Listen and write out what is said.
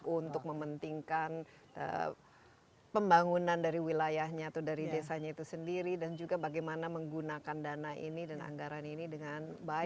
untuk mementingkan pembangunan dari wilayahnya atau dari desanya itu sendiri dan juga bagaimana menggunakan dana ini dan anggaran ini dengan baik